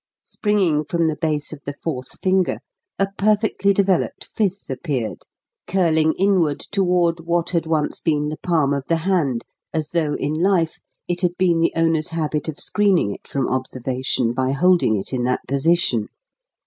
Springing from the base of the fourth finger, a perfectly developed fifth appeared, curling inward toward what had once been the palm of the hand, as though, in life, it had been the owner's habit of screening it from observation by holding it in that position.